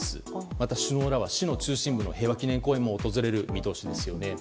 また、首脳らは市の中心部の平和記念公園も訪れる見通しですよね。